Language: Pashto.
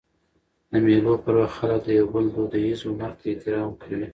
د مېلو پر وخت خلک د یو بل دودیز هنر ته احترام کوي.